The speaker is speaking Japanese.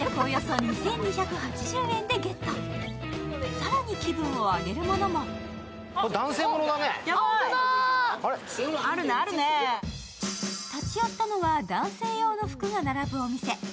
更に気分を上げるものも立ち寄ったのは男性用の服が並ぶお店。